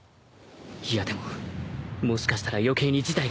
いやでももしかしたら余計に事態が悪化するかも